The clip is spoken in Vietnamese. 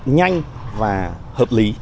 nhanh và hợp lý